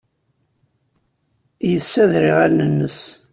Yessader iɣallen-nnes.